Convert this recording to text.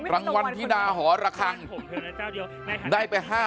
รางวัลธิดาหอระคังได้ไป๕๐๐